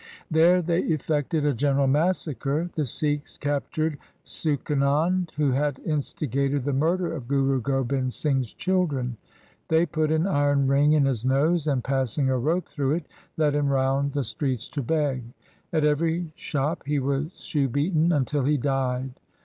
There they effected a general massacre. The Sikhs captured Suchanand who had instigated the murder of Guru Gobind Singh's children. They put an iron ring in his nose, and passing a rope through it, led him round the streets to beg. At every shop he was shoe beaten until he died.